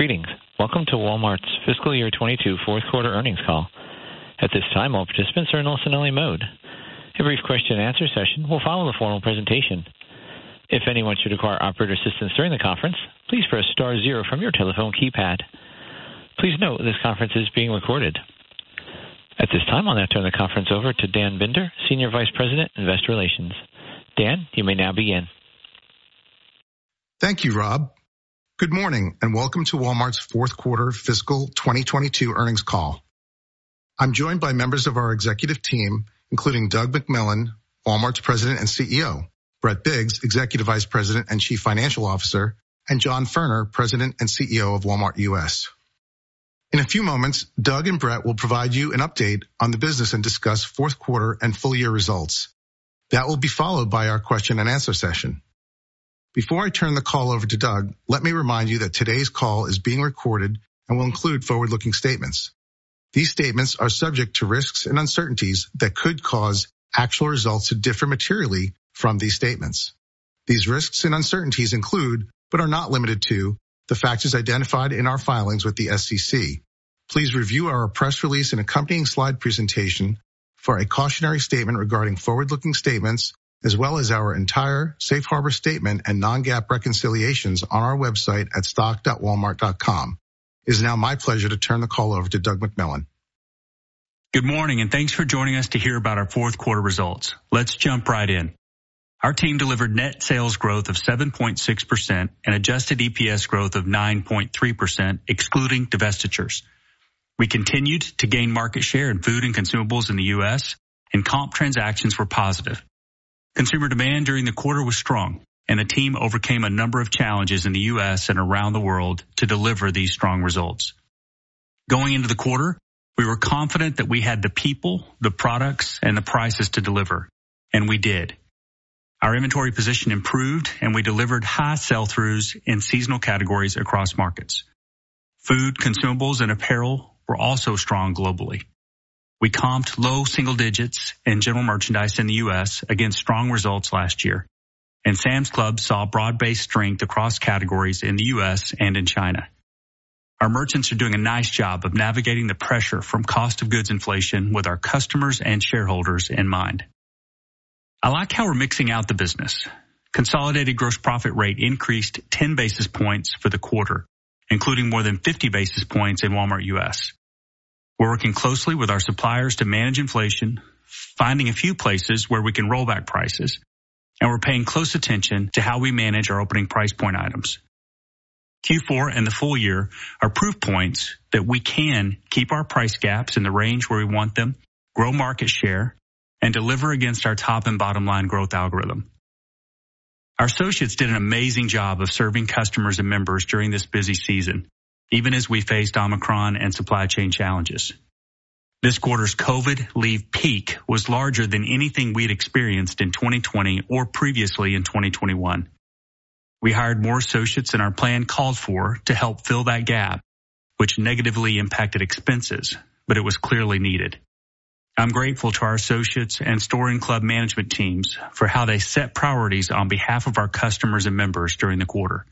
Greetings. Welcome to Walmart's Fiscal Year 2022 fourth quarter earnings call. At this time, all participants are in listen-only mode. A brief question and answer session will follow the formal presentation. If anyone should require operator assistance during the conference, please press star zero from your telephone keypad. Please note this conference is being recorded. At this time, I'll now turn the conference over to Dan Binder, Senior Vice President, Investor Relations. Dan, you may now begin. Thank you, Rob. Good morning and welcome to Walmart's fourth quarter fiscal 2022 earnings call. I'm joined by members of our executive team, including Doug McMillon, Walmart's President and CEO, Brett Biggs, Executive Vice President and Chief Financial Officer, and John Furner, President and CEO of Walmart U.S. In a few moments, Doug and Brett will provide you an update on the business and discuss fourth quarter and full-year results. That will be followed by our question and answer session. Before I turn the call over to Doug, let me remind you that today's call is being recorded and will include forward-looking statements. These statements are subject to risks and uncertainties that could cause actual results to differ materially from these statements. These risks and uncertainties include, but are not limited to, the factors identified in our filings with the SEC. Please review our press release and accompanying slide presentation for a cautionary statement regarding forward-looking statements, as well as our entire safe harbor statement and non-GAAP reconciliations on our website at stock.walmart.com. It's now my pleasure to turn the call over to Doug McMillon. Good morning, and thanks for joining us to hear about our fourth quarter results. Let's jump right in. Our team delivered net sales growth of 7.6% and adjusted EPS growth of 9.3% excluding divestitures. We continued to gain market share in food and consumables in the U.S., and comp transactions were positive. Consumer demand during the quarter was strong, and the team overcame a number of challenges in the U.S. and around the world to deliver these strong results. Going into the quarter, we were confident that we had the people, the products, and the prices to deliver, and we did. Our inventory position improved, and we delivered high sell-throughs in seasonal categories across markets. Food, consumables, and apparel were also strong globally. We comped low single digits in general merchandise in the U.S. against strong results last year, and Sam's Club saw broad-based strength across categories in the U.S. and in China. Our merchants are doing a nice job of navigating the pressure from cost of goods inflation with our customers and shareholders in mind. I like how we're mixing out the business. Consolidated gross profit rate increased 10 basis points for the quarter, including more than 50 basis points in Walmart U.S. We're working closely with our suppliers to manage inflation, finding a few places where we can roll back prices, and we're paying close attention to how we manage our opening price point items. Q4 and the full year are proof points that we can keep our price gaps in the range where we want them, grow market share, and deliver against our top and bottom line growth algorithm. Our associates did an amazing job of serving customers and members during this busy season, even as we faced Omicron and supply chain challenges. This quarter's COVID leave peak was larger than anything we'd experienced in 2020 or previously in 2021. We hired more associates than our plan called for to help fill that gap, which negatively impacted expenses, but it was clearly needed. I'm grateful to our associates and store and club management teams for how they set priorities on behalf of our customers and members during the quarter.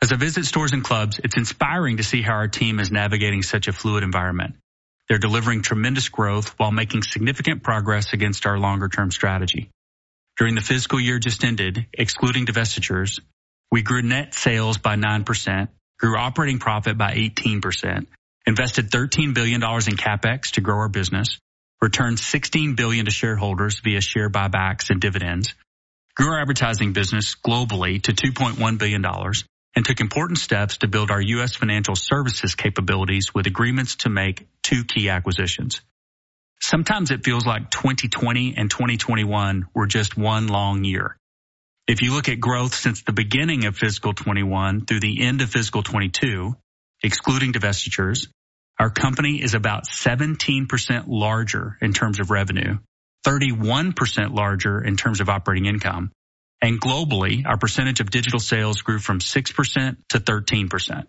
As I visit stores and clubs, it's inspiring to see how our team is navigating such a fluid environment. They're delivering tremendous growth while making significant progress against our longer-term strategy. During the fiscal year just ended, excluding divestitures, we grew net sales by 9%, grew operating profit by 18%, invested $13 billion in CapEx to grow our business, returned $16 billion to shareholders via share buybacks and dividends, grew our advertising business globally to $2.1 billion, and took important steps to build our U.S. financial services capabilities with agreements to make two key acquisitions. Sometimes it feels like 2020 and 2021 were just one long year. If you look at growth since the beginning of fiscal 2021 through the end of fiscal 2022, excluding divestitures, our company is about 17% larger in terms of revenue, 31% larger in terms of operating income, and globally, our percentage of digital sales grew from 6% to 13%.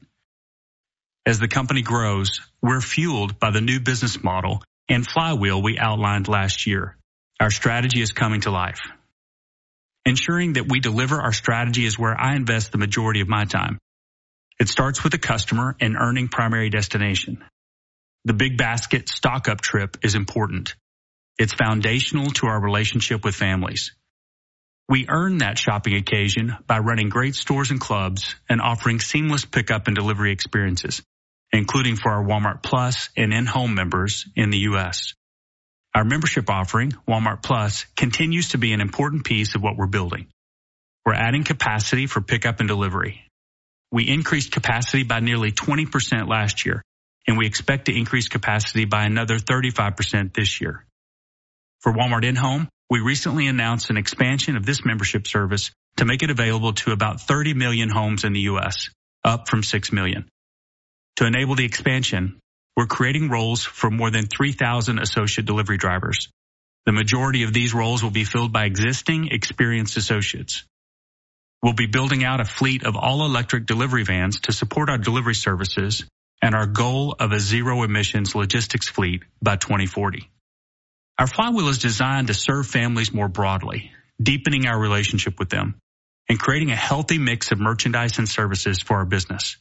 As the company grows, we're fueled by the new business model and flywheel we outlined last year. Our strategy is coming to life. Ensuring that we deliver our strategy is where I invest the majority of my time. It starts with the customer and earning primary destination. The big basket stock-up trip is important. It's foundational to our relationship with families. We earn that shopping occasion by running great stores and clubs and offering seamless pickup and delivery experiences, including for our Walmart+ and Walmart InHome members in the U.S. Our membership offering, Walmart+, continues to be an important piece of what we're building. We're adding capacity for pickup and delivery. We increased capacity by nearly 20% last year, and we expect to increase capacity by another 35% this year. For Walmart InHome, we recently announced an expansion of this membership service to make it available to about 30 million homes in the U.S., up from 6 million. To enable the expansion, we're creating roles for more than 3,000 associate delivery drivers. The majority of these roles will be filled by existing experienced associates. We'll be building out a fleet of all-electric delivery vans to support our delivery services and our goal of a zero emissions logistics fleet by 2040. Our flywheel is designed to serve families more broadly, deepening our relationship with them, and creating a healthy mix of merchandise and services for our business.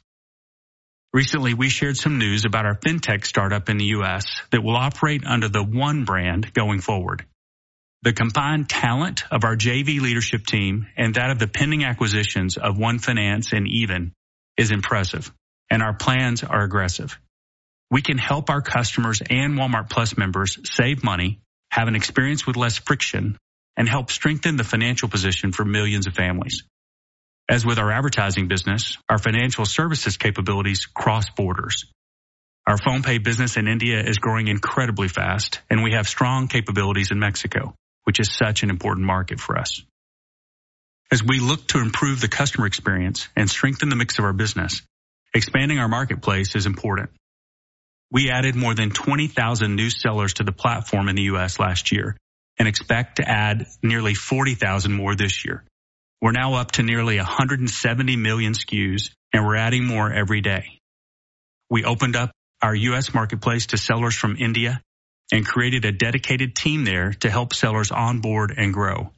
Recently, we shared some news about our Fintech startup in the U.S. that will operate under the One brand going forward. The combined talent of our JV leadership team and that of the pending acquisitions of One Finance and Even is impressive, and our plans are aggressive. We can help our customers and Walmart+ members save money, have an experience with less friction, and help strengthen the financial position for millions of families. As with our advertising business, our financial services capabilities cross borders. Our PhonePe business in India is growing incredibly fast, and we have strong capabilities in Mexico, which is such an important market for us. As we look to improve the customer experience and strengthen the mix of our business, expanding our marketplace is important. We added more than 20,000 new sellers to the platform in the U.S. last year and expect to add nearly 40,000 more this year. We're now up to nearly 170 million SKUs, and we're adding more every day. We opened up our U.S. marketplace to sellers from India and created a dedicated team there to help sellers onboard and grow.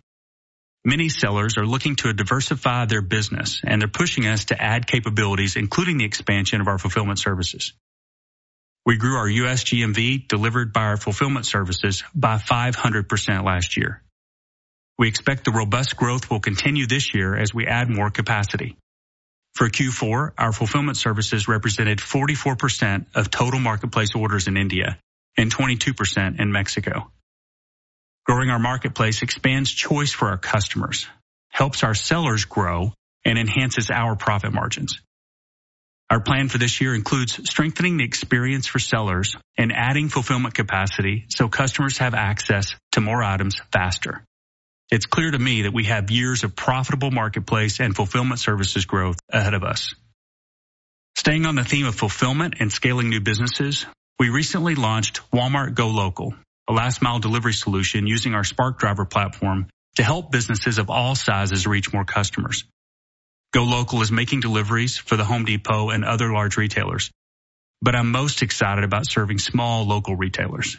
Many sellers are looking to diversify their business, and they're pushing us to add capabilities, including the expansion of our fulfillment services. We grew our U.S. GMV delivered by our fulfillment services by 500% last year. We expect the robust growth will continue this year as we add more capacity. For Q4, our fulfillment services represented 44% of total marketplace orders in India and 22% in Mexico. Growing our marketplace expands choice for our customers, helps our sellers grow, and enhances our profit margins. Our plan for this year includes strengthening the experience for sellers and adding fulfillment capacity so customers have access to more items faster. It's clear to me that we have years of profitable marketplace and fulfillment services growth ahead of us. Staying on the theme of fulfillment and scaling new businesses, we recently launched Walmart GoLocal, a last-mile delivery solution using our Spark Driver platform to help businesses of all sizes reach more customers. GoLocal is making deliveries for The Home Depot and other large retailers, but I'm most excited about serving small local retailers.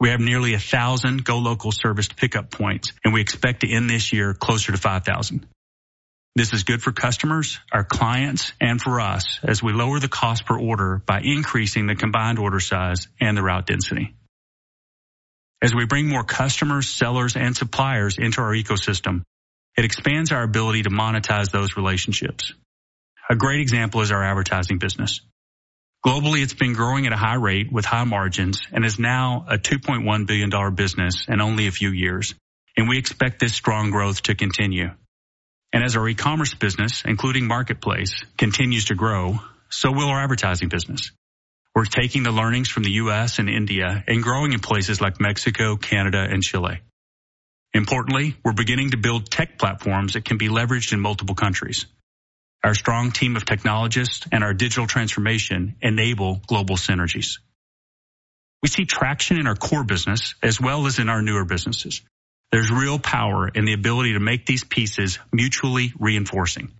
We have nearly 1,000 GoLocal serviced pickup points, and we expect to end this year closer to 5,000. This is good for customers, our clients, and for us as we lower the cost per order by increasing the combined order size and the route density. As we bring more customers, sellers, and suppliers into our ecosystem, it expands our ability to monetize those relationships. A great example is our advertising business. Globally, it's been growing at a high rate with high margins and is now a $2.1 billion business in only a few years, and we expect this strong growth to continue. As our eCommerce business, including marketplace, continues to grow, so will our advertising business. We're taking the learnings from the U.S. and India and growing in places like Mexico, Canada, and Chile. Importantly, we're beginning to build tech platforms that can be leveraged in multiple countries. Our strong team of technologists and our digital transformation enable global synergies. We see traction in our core business as well as in our newer businesses. There's real power in the ability to make these pieces mutually reinforcing.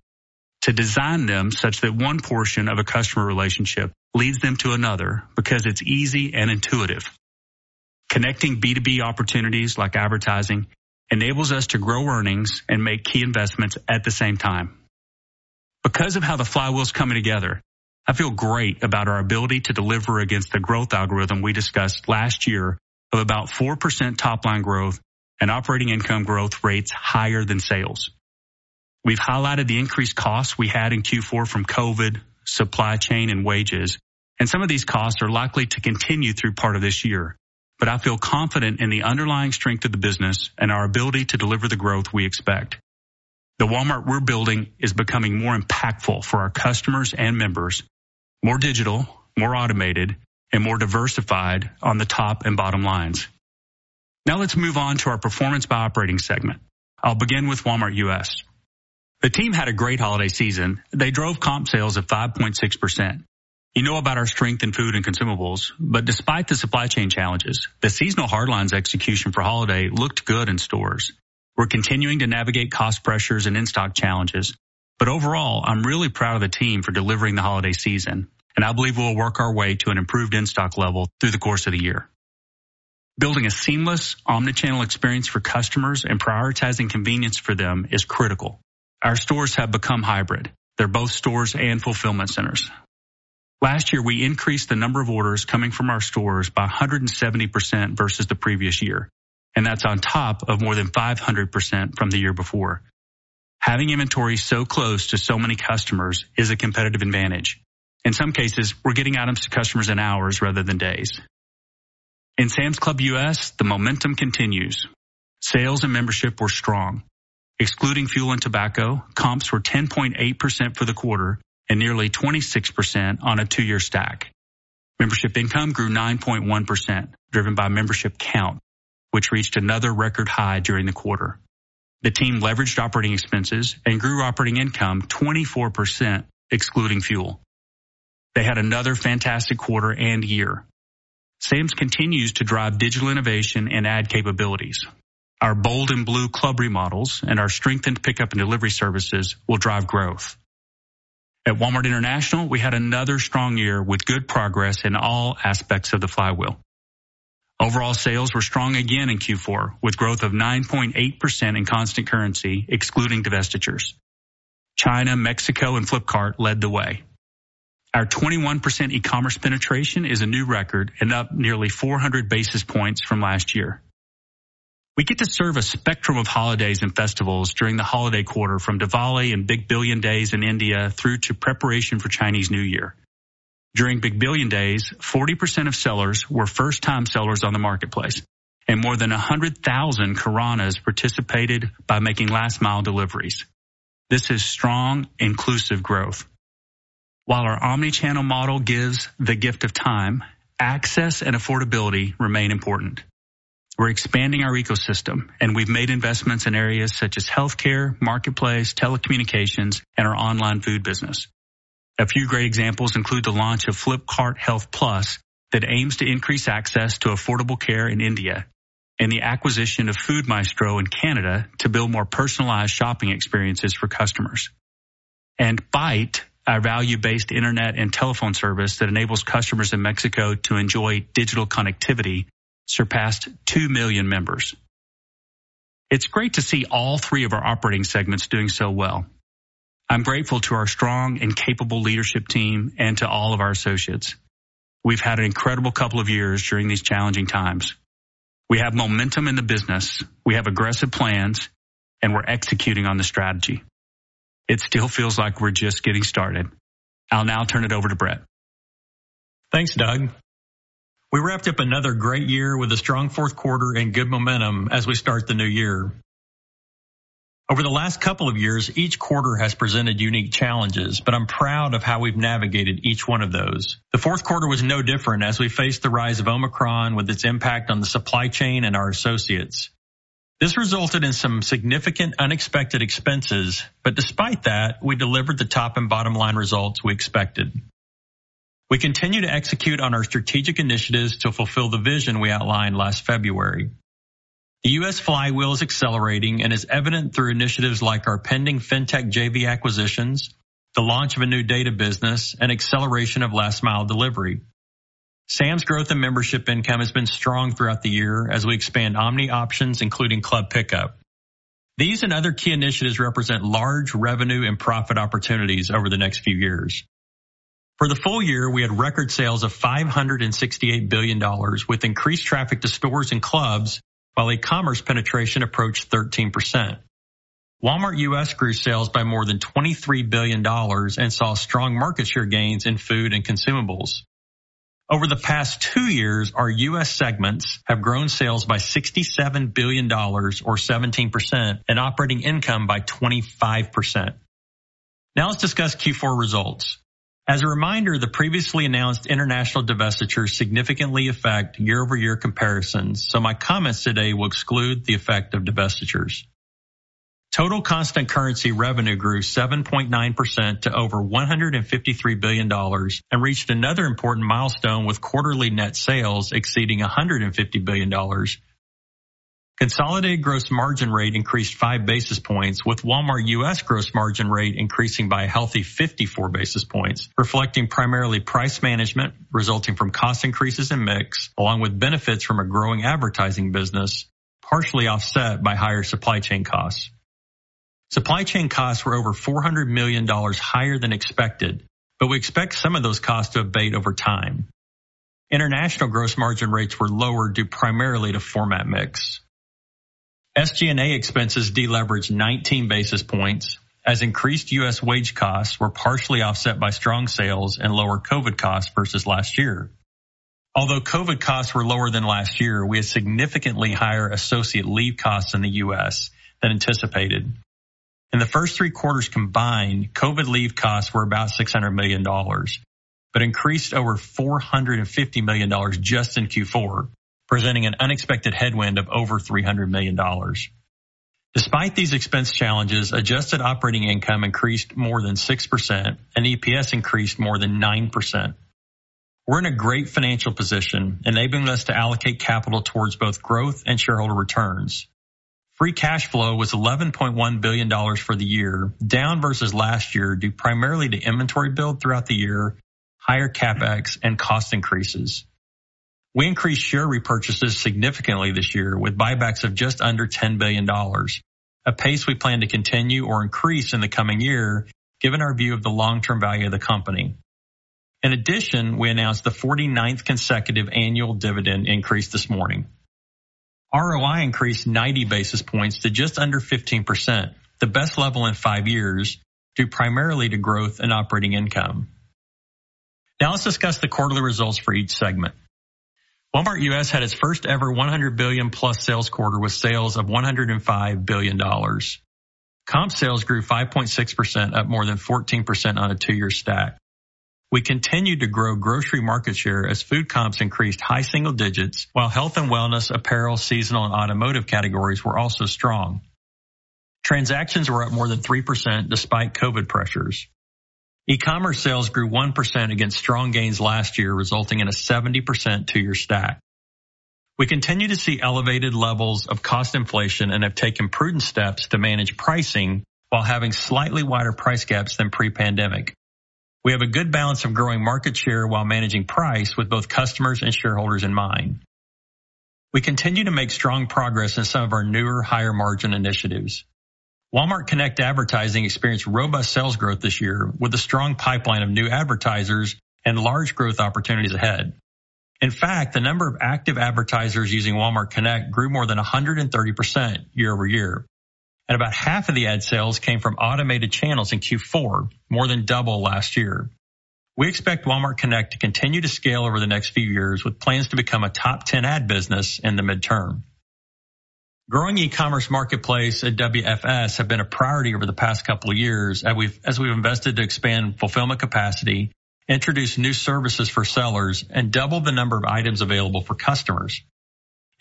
To design them such that one portion of a customer relationship leads them to another because it's easy and intuitive. Connecting B2B opportunities like advertising enables us to grow earnings and make key investments at the same time. Because of how the flywheel is coming together, I feel great about our ability to deliver against the growth algorithm we discussed last year of about 4% top-line growth and operating income growth rates higher than sales. We've highlighted the increased costs we had in Q4 from COVID, supply chain, and wages, and some of these costs are likely to continue through part of this year. I feel confident in the underlying strength of the business and our ability to deliver the growth we expect. The Walmart we're building is becoming more impactful for our customers and members, more digital, more automated, and more diversified on the top and bottom lines. Now let's move on to our performance by operating segment. I'll begin with Walmart U.S. The team had a great holiday season. They drove comp sales of 5.6%. You know about our strength in food and consumables, but despite the supply chain challenges, the seasonal hard lines execution for holiday looked good in stores. We're continuing to navigate cost pressures and in-stock challenges, but overall, I'm really proud of the team for delivering the holiday season, and I believe we'll work our way to an improved in-stock level through the course of the year. Building a seamless omnichannel experience for customers and prioritizing convenience for them is critical. Our stores have become hybrid. They're both stores and fulfillment centers. Last year, we increased the number of orders coming from our stores by 170% versus the previous year, and that's on top of more than 500% from the year before. Having inventory so close to so many customers is a competitive advantage. In some cases, we're getting items to customers in hours rather than days. In Sam's Club U.S., the momentum continues. Sales and membership were strong. Excluding fuel and tobacco, comps were 10.8% for the quarter and nearly 26% on a two-year stack. Membership income grew 9.1%, driven by membership count, which reached another record high during the quarter. The team leveraged operating expenses and grew operating income 24% excluding fuel. They had another fantastic quarter and year. Sam's continues to drive digital innovation and add capabilities. Our bold and blue club remodels and our strengthened pickup and delivery services will drive growth. At Walmart International, we had another strong year with good progress in all aspects of the flywheel. Overall sales were strong again in Q4, with growth of 9.8% in constant currency, excluding divestitures. China, Mexico, and Flipkart led the way. Our 21% e-commerce penetration is a new record and up nearly 400 basis points from last year. We get to serve a spectrum of holidays and festivals during the holiday quarter, from Diwali and Big Billion Days in India through to preparation for Chinese New Year. During Big Billion Days, 40% of sellers were first-time sellers on the marketplace, and more than 100,000 Kiranas participated by making last-mile deliveries. This is strong, inclusive growth. While our omni-channel model gives the gift of time, access and affordability remain important. We're expanding our ecosystem, and we've made investments in areas such as healthcare, marketplace, telecommunications, and our online food business. A few great examples include the launch of Flipkart Health Plus that aims to increase access to affordable care in India, and the acquisition of Foodmaestro in Canada to build more personalized shopping experiences for customers. Bait, our value-based internet and telephone service that enables customers in Mexico to enjoy digital connectivity, surpassed 2 million members. It's great to see all three of our operating segments doing so well. I'm grateful to our strong and capable leadership team and to all of our associates. We've had an incredible couple of years during these challenging times. We have momentum in the business. We have aggressive plans, and we're executing on the strategy. It still feels like we're just getting started. I'll now turn it over to Brett. Thanks, Doug. We wrapped up another great year with a strong fourth quarter and good momentum as we start the new year. Over the last couple of years, each quarter has presented unique challenges, but I'm proud of how we've navigated each one of those. The fourth quarter was no different as we faced the rise of Omicron with its impact on the supply chain and our associates. This resulted in some significant unexpected expenses, but despite that, we delivered the top and bottom-line results we expected. We continue to execute on our strategic initiatives to fulfill the vision we outlined last February. The U.S. flywheel is accelerating and is evident through initiatives like our pending Fintech JV acquisitions, the launch of a new data business, and acceleration of last-mile delivery. Sam's growth and membership income has been strong throughout the year as we expand omni options, including club pickup. These and other key initiatives represent large revenue and profit opportunities over the next few years. For the full year, we had record sales of $568 billion, with increased traffic to stores and clubs, while e-commerce penetration approached 13%. Walmart U.S. grew sales by more than $23 billion and saw strong market share gains in food and consumables. Over the past two years, our U.S. segments have grown sales by $67 billion or 17% and operating income by 25%. Now let's discuss Q4 results. As a reminder, the previously announced international divestitures significantly affect year-over-year comparisons, so my comments today will exclude the effect of divestitures. Total constant currency revenue grew 7.9% to over $153 billion and reached another important milestone with quarterly net sales exceeding $150 billion. Consolidated gross margin rate increased 5 basis points, with Walmart U.S. gross margin rate increasing by a healthy 54 basis points, reflecting primarily price management resulting from cost increases in mix, along with benefits from a growing advertising business, partially offset by higher supply chain costs. Supply chain costs were over $400 million higher than expected, but we expect some of those costs to abate over time. International gross margin rates were lower, due primarily to format mix. SG&A expenses deleveraged 19 basis points as increased U.S. wage costs were partially offset by strong sales and lower COVID costs versus last year. Although COVID costs were lower than last year, we had significantly higher associate leave costs in the U.S. than anticipated. In the first three quarters combined, COVID leave costs were about $600 million, but increased over $450 million just in Q4, presenting an unexpected headwind of over $300 million. Despite these expense challenges, adjusted operating income increased more than 6%, and EPS increased more than 9%. We're in a great financial position, enabling us to allocate capital towards both growth and shareholder returns. Free cash flow was $11.1 billion for the year, down versus last year, due primarily to inventory build throughout the year, higher CapEx, and cost increases. We increased share repurchases significantly this year with buybacks of just under $10 billion, a pace we plan to continue or increase in the coming year given our view of the long-term value of the company. In addition, we announced the 49th consecutive annual dividend increase this morning. ROI increased 90 basis points to just under 15%, the best level in 5 years, due primarily to growth in operating income. Now let's discuss the quarterly results for each segment. Walmart U.S. had its first-ever 100 billion-plus sales quarter with sales of $105 billion. Comp sales grew 5.6%, up more than 14% on a 2-year stack. We continued to grow grocery market share as food comps increased high single digits, while health and wellness, apparel, seasonal, and automotive categories were also strong. Transactions were up more than 3% despite COVID pressures. E-commerce sales grew 1% against strong gains last year, resulting in a 70% two-year stack. We continue to see elevated levels of cost inflation and have taken prudent steps to manage pricing while having slightly wider price gaps than pre-pandemic. We have a good balance of growing market share while managing price with both customers and shareholders in mind. We continue to make strong progress in some of our newer higher-margin initiatives. Walmart Connect advertising experienced robust sales growth this year with a strong pipeline of new advertisers and large growth opportunities ahead. In fact, the number of active advertisers using Walmart Connect grew more than 130% year over year, and about half of the ad sales came from automated channels in Q4, more than double last year. We expect Walmart Connect to continue to scale over the next few years with plans to become a top ten ad business in the midterm. Growing e-commerce marketplace at WFS have been a priority over the past couple of years, as we've invested to expand fulfillment capacity, introduce new services for sellers, and double the number of items available for customers.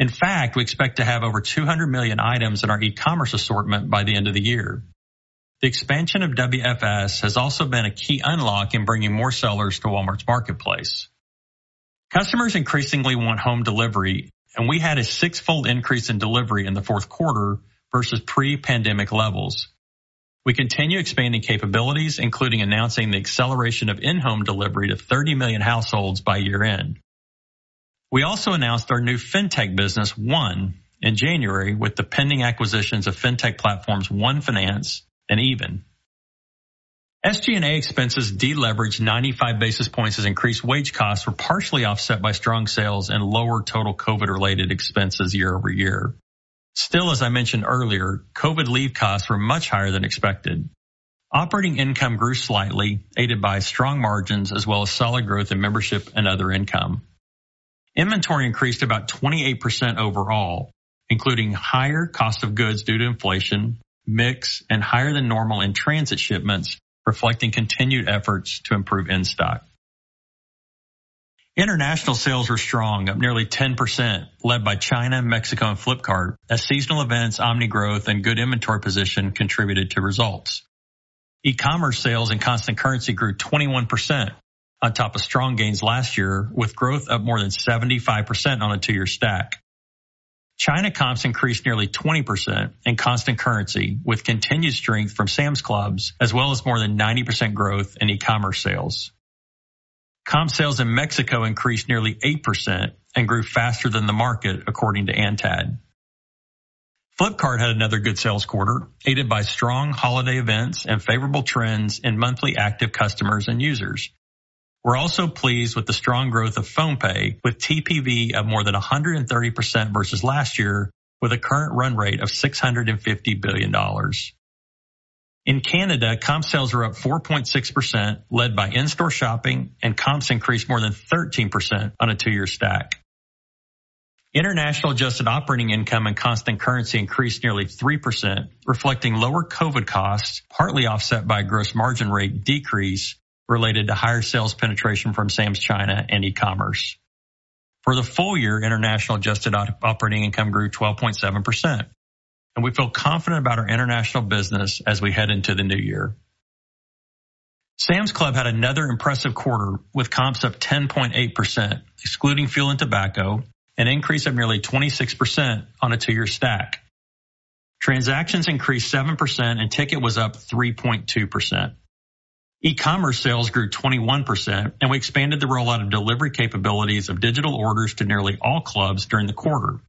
In fact, we expect to have over 200 million items in our e-commerce assortment by the end of the year. The expansion of WFS has also been a key unlock in bringing more sellers to Walmart's marketplace. Customers increasingly want home delivery, and we had a 6-fold increase in delivery in the fourth quarter versus pre-pandemic levels. We continue expanding capabilities, including announcing the acceleration of in-home delivery to 30 million households by year-end. We also announced our new Fintech business, One, in January with the pending acquisitions of Fintech platforms, One Finance and Even. SG&A expenses deleveraged 95 basis points as increased wage costs were partially offset by strong sales and lower total COVID-related expenses year over year. Still, as I mentioned earlier, COVID leave costs were much higher than expected. Operating income grew slightly, aided by strong margins as well as solid growth in membership and other income. Inventory increased about 28% overall, including higher cost of goods due to inflation, mix, and higher than normal in-transit shipments, reflecting continued efforts to improve in-stock. International sales were strong, up nearly 10%, led by China, Mexico, and Flipkart as seasonal events, omni growth, and good inventory position contributed to results. E-commerce sales and constant currency grew 21% on top of strong gains last year, with growth of more than 75% on a two-year stack. China comps increased nearly 20% in constant currency, with continued strength from Sam's Club, as well as more than 90% growth in e-commerce sales. Comp sales in Mexico increased nearly 8% and grew faster than the market, according to ANTAD. Flipkart had another good sales quarter, aided by strong holiday events and favorable trends in monthly active customers and users. We're also pleased with the strong growth of PhonePe, with TPV of more than 130% versus last year, with a current run rate of $650 billion. In Canada, comp sales were up 4.6%, led by in-store shopping and comps increased more than 13% on a two-year stack. International adjusted operating income and constant currency increased nearly 3%, reflecting lower COVID costs, partly offset by gross margin rate decrease related to higher sales penetration from Sam's China and e-commerce. For the full year, international adjusted operating income grew 12.7%, and we feel confident about our international business as we head into the new year. Sam's Club had another impressive quarter with comps up 10.8%, excluding fuel and tobacco, an increase of nearly 26% on a two-year stack. Transactions increased 7% and ticket was up 3.2%. E-commerce sales grew 21%, and we expanded the rollout of delivery capabilities of digital orders to nearly all clubs during the quarter.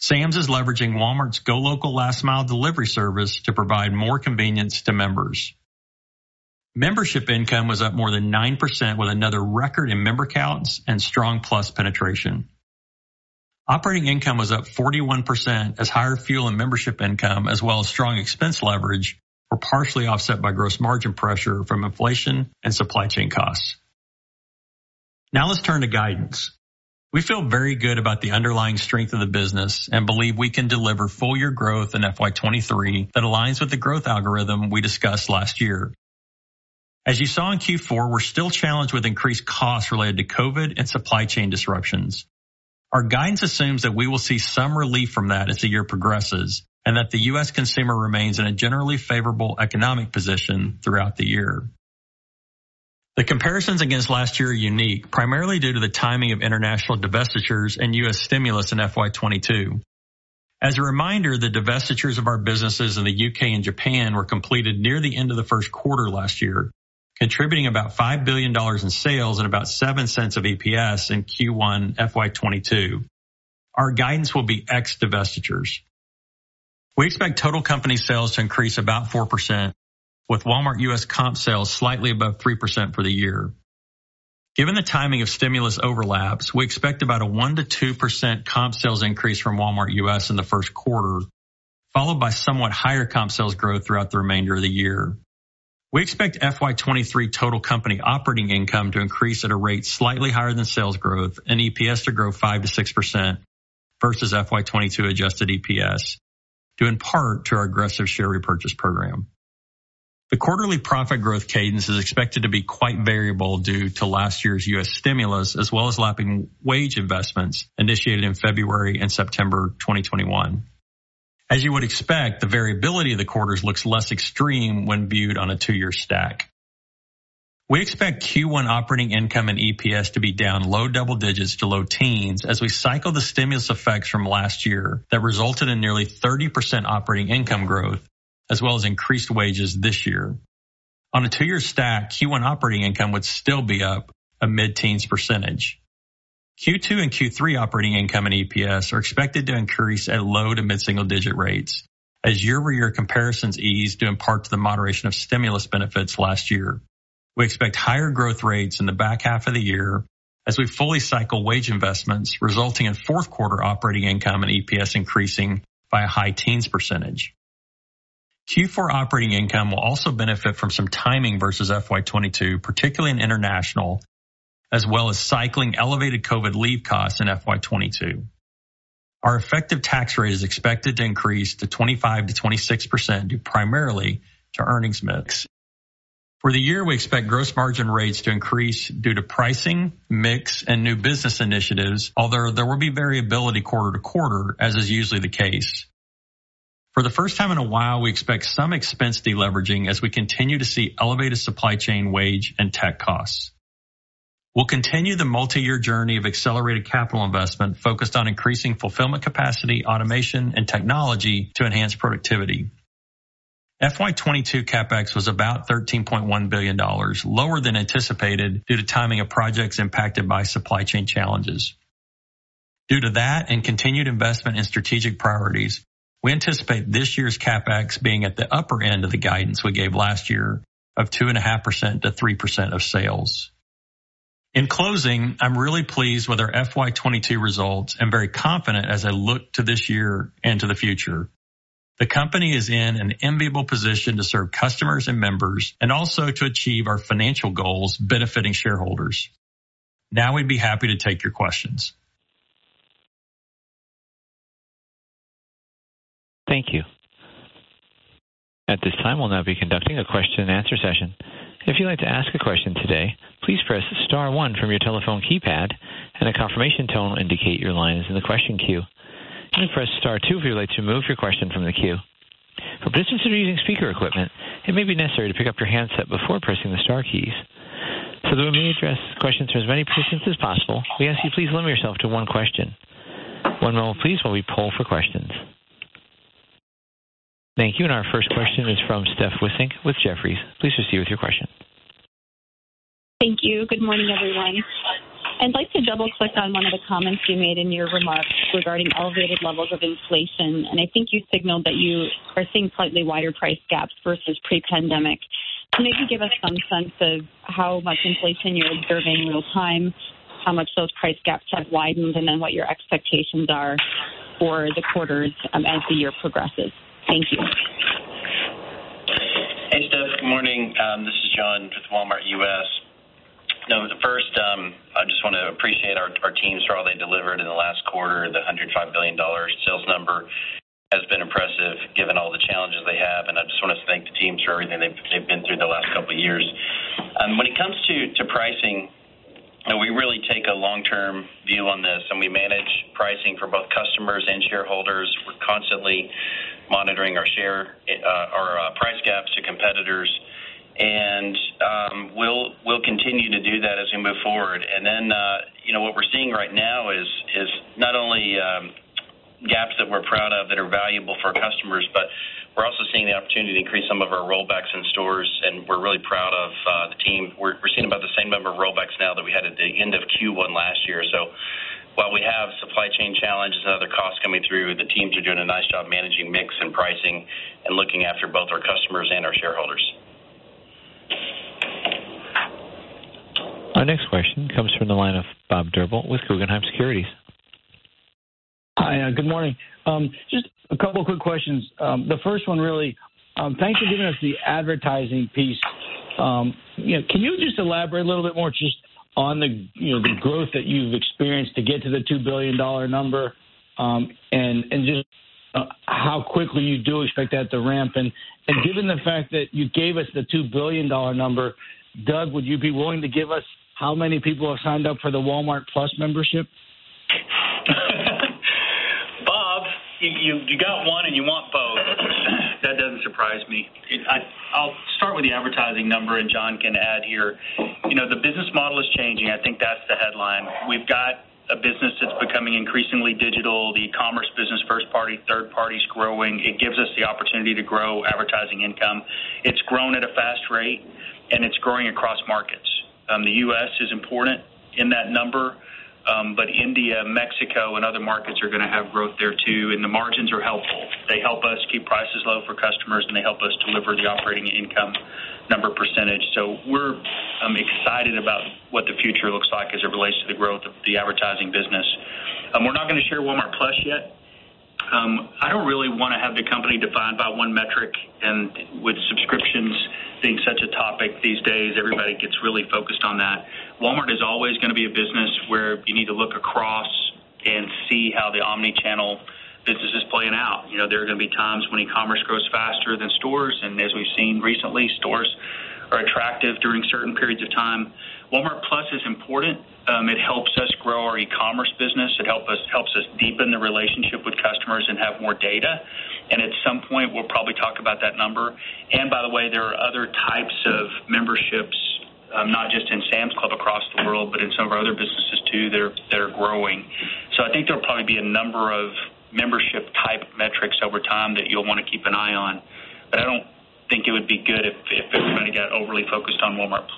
Sam's is leveraging Walmart's GoLocal last mile delivery service to provide more convenience to members. Membership income was up more than 9% with another record in member counts and strong Plus penetration. Operating income was up 41% as higher fuel and membership income, as well as strong expense leverage, were partially offset by gross margin pressure from inflation and supply chain costs. Now let's turn to guidance. We feel very good about the underlying strength of the business and believe we can deliver full year growth in FY 2023 that aligns with the growth algorithm we discussed last year. As you saw in Q4, we're still challenged with increased costs related to COVID and supply chain disruptions. Our guidance assumes that we will see some relief from that as the year progresses and that the U.S. consumer remains in a generally favorable economic position throughout the year. The comparisons against last year are unique, primarily due to the timing of international divestitures and U.S. stimulus in FY 2022. As a reminder, the divestitures of our businesses in the U.K. and Japan were completed near the end of the first quarter last year, contributing about $5 billion in sales and about $0.07 of EPS in Q1 FY 2022. Our guidance will be ex divestitures. We expect total company sales to increase about 4%, with Walmart U.S. comp sales slightly above 3% for the year. Given the timing of stimulus overlaps, we expect about a 1%-2% comp sales increase from Walmart U.S. in the first quarter, followed by somewhat higher comp sales growth throughout the remainder of the year. We expect FY 2023 total company operating income to increase at a rate slightly higher than sales growth and EPS to grow 5%-6% versus FY 2022 adjusted EPS, due in part to our aggressive share repurchase program. The quarterly profit growth cadence is expected to be quite variable due to last year's U.S. stimulus as well as lapping wage investments initiated in February and September 2021. As you would expect, the variability of the quarters looks less extreme when viewed on a two-year stack. We expect Q1 operating income and EPS to be down low double digits to low teens as we cycle the stimulus effects from last year that resulted in nearly 30% operating income growth, as well as increased wages this year. On a two-year stack, Q1 operating income would still be up mid-teens %. Q2 and Q3 operating income and EPS are expected to increase at low to mid-single digit rates as year-over-year comparisons ease due in part to the moderation of stimulus benefits last year. We expect higher growth rates in the back half of the year as we fully cycle wage investments, resulting in fourth quarter operating income and EPS increasing by a high teens %. Q4 operating income will also benefit from some timing versus FY 2022, particularly in international, as well as cycling elevated COVID leave costs in FY 2022. Our effective tax rate is expected to increase to 25%-26%, due primarily to earnings mix. For the year, we expect gross margin rates to increase due to pricing, mix, and new business initiatives, although there will be variability quarter to quarter, as is usually the case. For the first time in a while, we expect some expense deleveraging as we continue to see elevated supply chain wage and tech costs. We'll continue the multi-year journey of accelerated capital investment focused on increasing fulfillment capacity, automation, and technology to enhance productivity. FY 2022 CapEx was about $13.1 billion, lower than anticipated due to timing of projects impacted by supply chain challenges. Due to that and continued investment in strategic priorities, we anticipate this year's CapEx being at the upper end of the guidance we gave last year of 2.5%-3% of sales. In closing, I'm really pleased with our FY 2022 results and very confident as I look to this year and to the future. The company is in an enviable position to serve customers and members and also to achieve our financial goals benefiting shareholders. Now we'd be happy to take your questions. Thank you. At this time, we'll now be conducting a question-and-answer session. If you'd like to ask a question today, please press star one from your telephone keypad and a confirmation tone will indicate your line is in the question queue. Press star two if you'd like to remove your question from the queue. For participants who are using speaker equipment, it may be necessary to pick up your handset before pressing the star keys. That we may address questions to as many participants as possible, we ask you please limit yourself to one question. One moment please while we poll for questions. Thank you. Our first question is from Steph Wissink with Jefferies. Please proceed with your question. Thank you. Good morning, everyone. I'd like to double click on one of the comments you made in your remarks regarding elevated levels of inflation. I think you signaled that you are seeing slightly wider price gaps versus pre-pandemic. Can you maybe give us some sense of how much inflation you're observing real time, how much those price gaps have widened, and then what your expectations are for the quarters as the year progresses? Thank you. Hey, Steph. Good morning. This is John with Walmart U.S. Now, first, I just want to appreciate our teams for all they delivered in the last quarter. The $105 billion sales number has been impressive given all the challenges they have, and I just want to thank the teams for everything they've been through the last couple of years. When it comes to pricing, you know, we really take a long-term view on this, and we manage pricing for both customers and shareholders. We're constantly monitoring our share, our price gaps to competitors, and we'll continue to do that as we move forward. You know, what we're seeing right now is not only gaps that we're proud of that are valuable for customers, but we're also seeing the opportunity to increase some of our rollbacks in stores. We're really proud of the team. We're seeing about the same number of rollbacks now that we had at the end of Q1 last year. While we have supply chain challenges and other costs coming through, the teams are doing a nice job managing mix and pricing and looking after both our customers and our shareholders. Our next question comes from the line of Bob Drbul with Guggenheim Securities. Hi. Good morning. Just a couple of quick questions. The first one, really, thanks for giving us the advertising piece. You know, can you just elaborate a little bit more just on the, you know, the growth that you've experienced to get to the $2 billion number, and just how quickly you do expect that to ramp? Given the fact that you gave us the $2 billion number, Doug, would you be willing to give us how many people have signed up for the Walmart+ membership? Bob, you got one and you want both. That doesn't surprise me. I'll start with the advertising number, and John can add here. You know, the business model is changing. I think that's the headline. We've got a business that's becoming increasingly digital. The commerce business, first party, third party is growing. It gives us the opportunity to grow advertising income. It's grown at a fast rate, and it's growing across markets. The U.S. is important in that number. But India, Mexico, and other markets are gonna have growth there too, and the margins are helpful. They help us keep prices low for customers, and they help us deliver the operating income number percentage. So we're excited about what the future looks like as it relates to the growth of the advertising business. We're not gonna share Walmart+ yet. I don't really wanna have the company defined by one metric, and with subscriptions being such a topic these days, everybody gets really focused on that. Walmart is always gonna be a business where you need to look across and see how the omni-channel business is playing out. You know, there are gonna be times when e-commerce grows faster than stores, and as we've seen recently, stores are attractive during certain periods of time. Walmart+ is important. It helps us grow our e-commerce business. It helps us deepen the relationship with customers and have more data. At some point, we'll probably talk about that number. By the way, there are other types of memberships, not just in Sam's Club across the world, but in some of our other businesses too that are growing. I think there'll probably be a number of membership type metrics over time that you'll want to keep an eye on. I don't think it would be good if everybody got overly focused on Walmart+.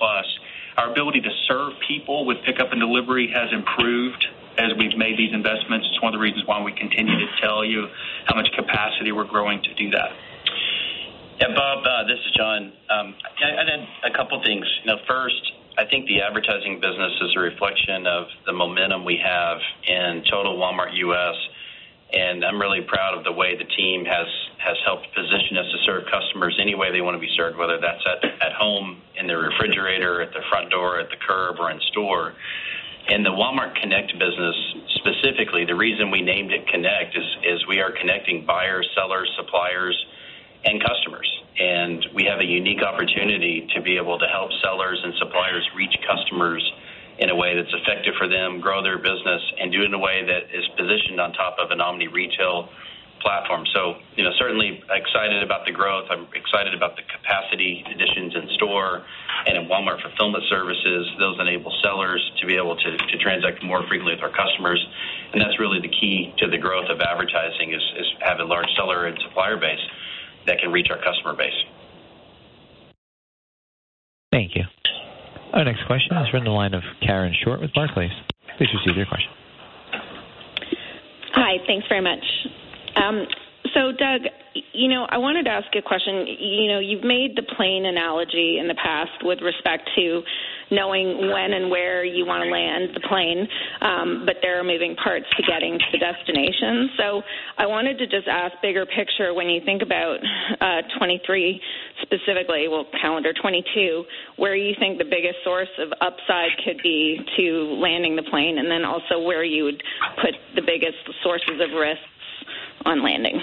Our ability to serve people with pickup and delivery has improved as we've made these investments. It's one of the reasons why we continue to tell you how much capacity we're growing to do that. Yeah, Bob, this is John. I'd add a couple things. You know, first, I think the advertising business is a reflection of the momentum we have in total Walmart U.S., and I'm really proud of the way the team has helped position us to serve customers any way they want to be served, whether that's at home, in their refrigerator, at their front door, at the curb, or in store. In the Walmart Connect business, specifically, the reason we named it Connect is we are connecting buyers, sellers, suppliers, and customers. We have a unique opportunity to be able to help sellers and suppliers reach customers in a way that's effective for them, grow their business, and do it in a way that is positioned on top of an omni-retail platform. You know, certainly excited about the growth. I'm excited about the capacity additions in store and in Walmart Fulfillment Services. Those enable sellers to be able to transact more frequently with our customers. That's really the key to the growth of advertising is to have a large seller and supplier base that can reach our customer base. Thank you. Our next question is from the line of Karen Short with Barclays. Please proceed with your question. Hi. Thanks very much. Doug, you know, I wanted to ask a question. You know, you've made the plane analogy in the past with respect to knowing when and where you want to land the plane, but there are moving parts to getting to the destination. I wanted to just ask bigger picture, when you think about 2023 specifically, well, calendar 2022, where you think the biggest source of upside could be to landing the plane, and then also where you would put the biggest sources of risks on landing.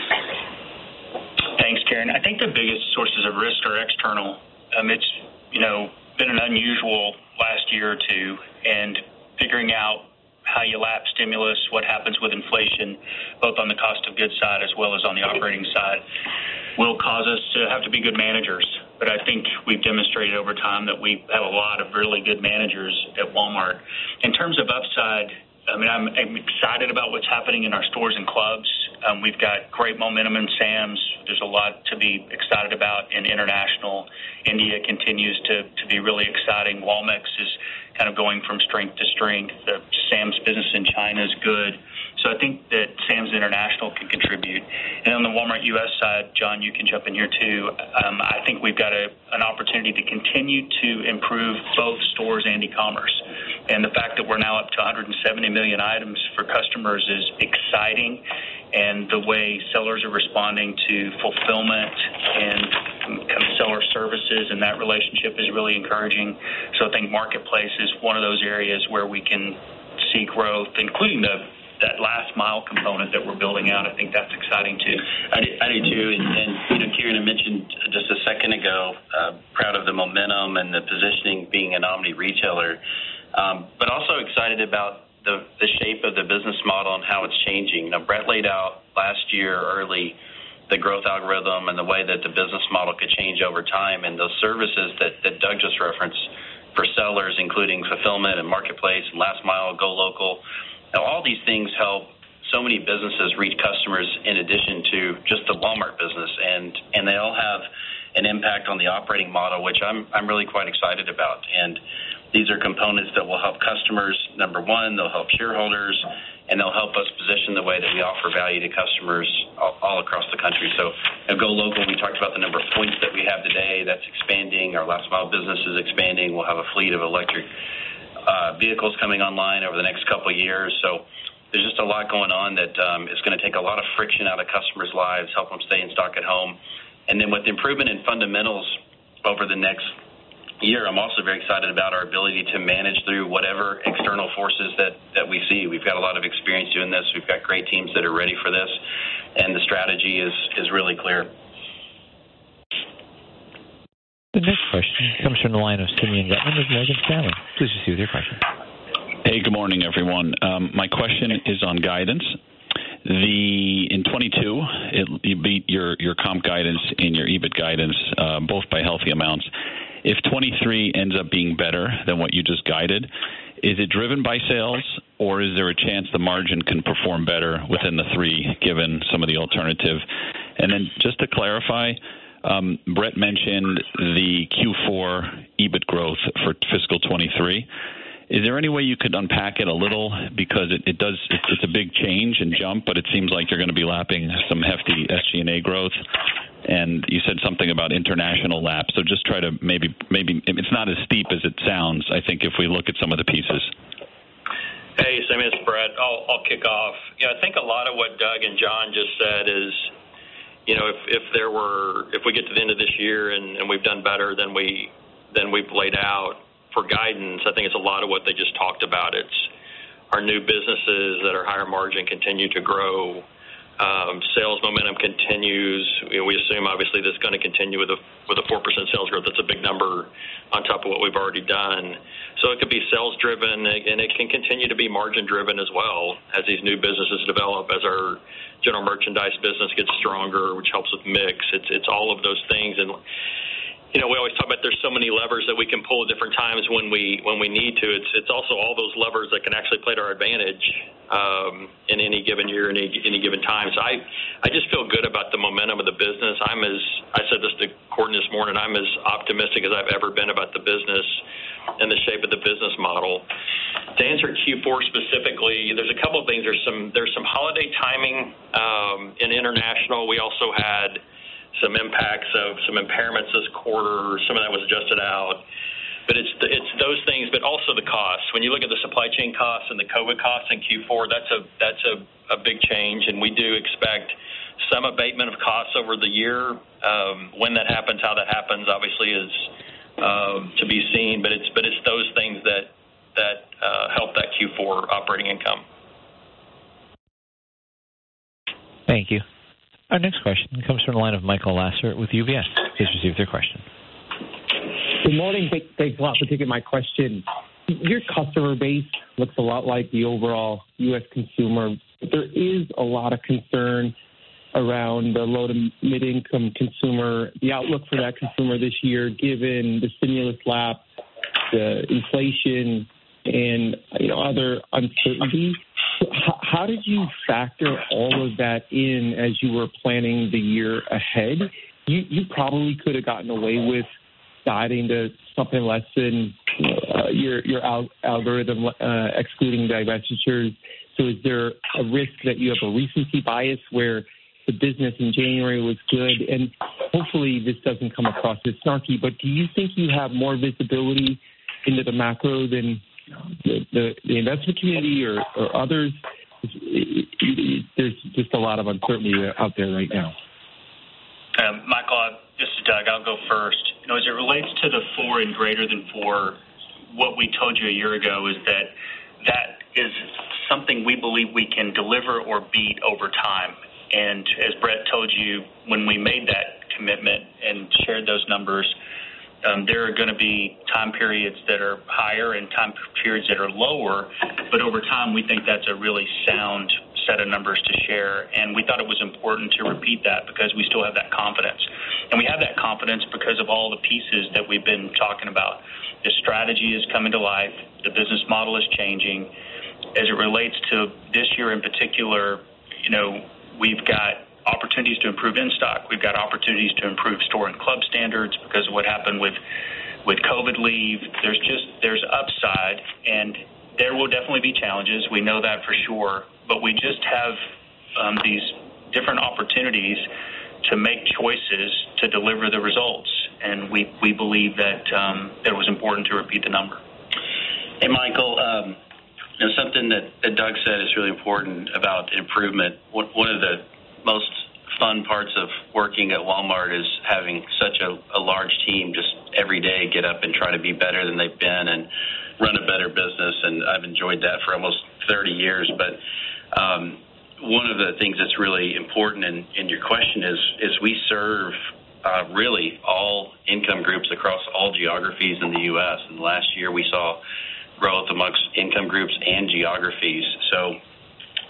Thanks, Karen. I think the biggest sources of risk are external. It's, you know, been an unusual last year or two, and figuring out how you lap stimulus, what happens with inflation, both on the cost of goods side as well as on the operating side, will cause us to have to be good managers. But I think we've demonstrated over time that we have a lot of really good managers at Walmart. In terms of upside, I mean, I'm excited about what's happening in our stores and clubs. We've got great momentum in Sam's. There's a lot to be excited about in international. India continues to be really exciting. Walmex is kind of going from strength to strength. The Sam's business in China is good. I think that Sam's international can contribute. On the Walmart U.S. side, John, you can jump in here too. I think we've got an opportunity to continue to improve both stores and e-commerce. The fact that we're now up to 170 million items for customers is exciting, and the way sellers are responding to fulfillment and kind of seller services and that relationship is really encouraging. I think marketplace is one of those areas where we can see growth, including that last mile component that we're building out. I think that's exciting too. I do, I do too. You know, Karen, I mentioned just a second ago I'm proud of the momentum and the positioning being an omni-retailer. But also excited about the shape of the business model and how it's changing. Now, Brett laid out early last year the growth algorithm and the way that the business model could change over time and those services that Doug just referenced for sellers, including fulfillment and marketplace and last-mile GoLocal. Now, all these things help so many businesses reach customers in addition to just the Walmart business. They all have an impact on the operating model, which I'm really quite excited about. These are components that will help customers, number one, they'll help shareholders, and they'll help us position the way that we offer value to customers all across the country. You know, GoLocal, we talked about the number of points that we have today. That's expanding. Our last mile business is expanding. We'll have a fleet of electric vehicles coming online over the next couple years. There's just a lot going on that is gonna take a lot of friction out of customers' lives, help them stay in stock at home. With improvement in fundamentals over the next year, I'm also very excited about our ability to manage through whatever external forces that we see. We've got a lot of experience doing this. We've got great teams that are ready for this, and the strategy is really clear. The next question comes from the line of Simeon Gutman with Morgan Stanley. Please proceed with your question. Hey, good morning, everyone. My question is on guidance. In 2022, you beat your comp guidance and your EBIT guidance both by healthy amounts. If 2023 ends up being better than what you just guided, is it driven by sales, or is there a chance the margin can perform better within the three, given some of the alternative? And then just to clarify, Brett mentioned the Q4 EBIT growth for fiscal 2023. Is there any way you could unpack it a little? Because it does, it's a big change and jump, but it seems like you're gonna be lapping some hefty SG&A growth. And you said something about international laps. Just try to. It's not as steep as it sounds, I think, if we look at some of the pieces. Hey, Simeon. It's Brett. I'll kick off. You know, I think a lot of what Doug and John just said is, you know, if we get to the end of this year and we've done better than we've laid out for guidance, I think it's a lot of what they just talked about. It's our new businesses that are higher margin continue to grow. Sales momentum continues. You know, we assume obviously that's gonna continue with a 4% sales growth. That's a big number. Top of what we've already done. It could be sales driven and it can continue to be margin driven as well as these new businesses develop, as our general merchandise business gets stronger, which helps with mix. It's all of those things. You know, we always talk about there's so many levers that we can pull at different times when we need to. It's also all those levers that can actually play to our advantage in any given year, in any given time. I just feel good about the momentum of the business. I said this to Gordon this morning, I'm as optimistic as I've ever been about the business and the shape of the business model. To answer Q4 specifically, there's a couple of things. There's some holiday timing in international. We also had some impacts of some impairments this quarter. Some of that was adjusted out, but it's those things, but also the costs. When you look at the supply chain costs and the COVID costs in Q4, that's a big change. We do expect some abatement of costs over the year. When that happens, how that happens, obviously is to be seen, but it's those things that help that Q4 operating income. Thank you. Our next question comes from the line of Michael Lasser with UBS. Please proceed with your question. Good morning. Thank you a lot for taking my question. Your customer base looks a lot like the overall U.S. consumer. There is a lot of concern around the low to mid-income consumer, the outlook for that consumer this year, given the stimulus lapse, the inflation and, you know, other uncertainties. How did you factor all of that in as you were planning the year ahead? You probably could have gotten away with guiding to something less than your algorithm, excluding divestitures. Is there a risk that you have a recency bias where the business in January was good? Hopefully this doesn't come across as snarky, but do you think you have more visibility into the macro than the investor community or others? There's just a lot of uncertainty out there right now. Michael, this is Doug. I'll go first. You know, as it relates to the four and greater than four, what we told you a year ago is that that is something we believe we can deliver or beat over time. As Brett told you when we made that commitment and shared those numbers, there are gonna be time periods that are higher and time periods that are lower. Over time, we think that's a really sound set of numbers to share. We thought it was important to repeat that because we still have that confidence. We have that confidence because of all the pieces that we've been talking about. The strategy is coming to life. The business model is changing. As it relates to this year in particular, you know, we've got opportunities to improve in-stock. We've got opportunities to improve store and club standards because of what happened with COVID leave. There's upside, and there will definitely be challenges. We know that for sure. We just have these different opportunities to make choices to deliver the results. We believe that it was important to repeat the number. Michael, something that Doug said is really important about improvement. One of the most fun parts of working at Walmart is having such a large team just every day get up and try to be better than they've been and run a better business, and I've enjoyed that for almost 30 years. One of the things that's really important in your question is we serve really all income groups across all geographies in the U.S. Last year we saw growth among income groups and geographies.